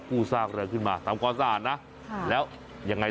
ปู้ซากเรือขึ้นมาตามความสะอาดนะค่ะแล้วยังไงต่อ